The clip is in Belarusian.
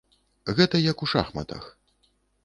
Гэта як у шахматах.